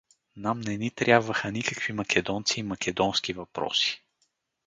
— Нам не ни трябваха никакви македонци и македонски въпроси.